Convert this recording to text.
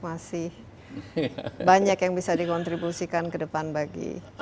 masih banyak yang bisa dikontribusikan ke depan bagi